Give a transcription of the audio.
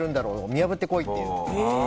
見破ってこいっていう。